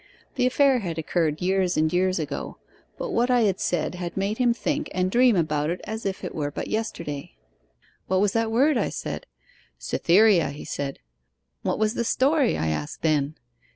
The affair had occurred years and years ago; but what I had said had made him think and dream about it as if it were but yesterday. What was the word? I said. "Cytherea," he said. What was the story? I asked then.